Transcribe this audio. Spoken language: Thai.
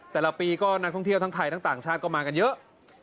แต่ละปีก็นักท่องเที่ยวทั้งไทยทั้งต่างชาติก็มากันเยอะ